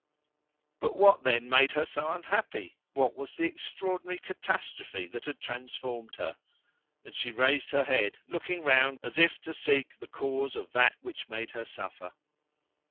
But what then, made her so unhappy? What was the extraordinary catastrophe that had transformed her? And she raised her head, looking round as if to seek the cause of that which made her suffer.